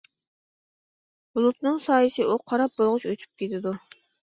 بۇلۇتنىڭ سايىسى، ئۇ قاراپ بولغۇچە ئۆتۈپ كېتىدۇ.